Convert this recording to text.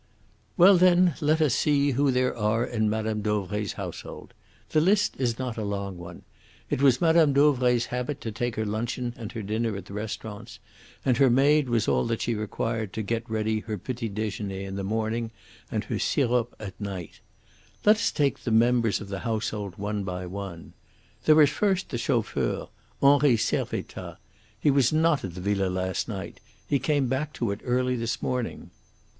"Well, then, let us see who there are in Mme. Dauvray's household. The list is not a long one. It was Mme. Dauvray's habit to take her luncheon and her dinner at the restaurants, and her maid was all that she required to get ready her 'petit dejeuner' in the morning and her 'sirop' at night. Let us take the members of the household one by one. There is first the chauffeur, Henri Servettaz. He was not at the villa last night. He came back to it early this morning."